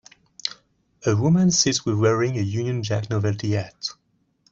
A woman sits with wearing a union jack novelty hat